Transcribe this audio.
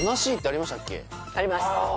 あります